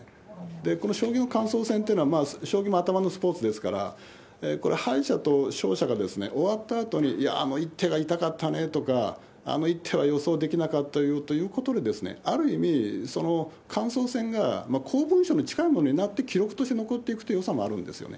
この将棋の感想戦っていうのは、将棋も頭のスポーツですから、これ、敗者と勝者が終わったあとに、いや、あの一手が痛かったねとか、あの一手は予想できなかったよということで、ある意味、感想戦が公文書に近いものになって、記録として残っていくというよさもあるんですよね。